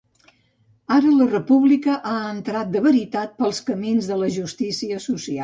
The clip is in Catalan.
Ara la República ha entrat de veritat pels camins de la justícia social.